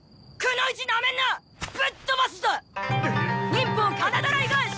忍法金だらい返し！